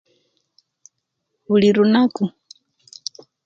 Bulilunaku